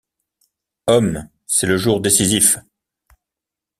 Homme, c’est le jour décisif.